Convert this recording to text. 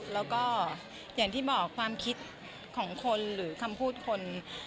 แล้วก็อย่างที่บอกความคิดของคนหรือคำพูดคน